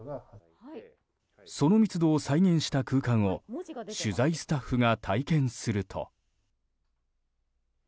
その密度を再現した空間を取材スタッフが体験すると。